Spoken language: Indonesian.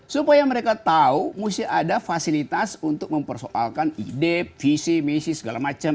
supaya mereka tahu mesti ada fasilitas untuk mempersoalkan ide visi misi segala macam